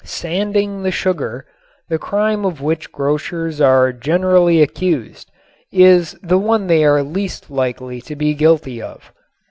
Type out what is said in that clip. "Sanding the sugar," the crime of which grocers are generally accused, is the one they are least likely to be guilty of.